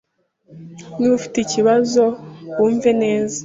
Niba ufite ikibazo, wumve neza.